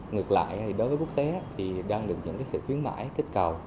ngược lại thì đối với quốc tế thì đang được những sự khuyến mãi kích cầu